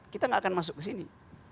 kita nggak akan masuk ke sini